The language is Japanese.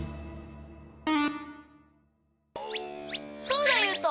そうだゆうと！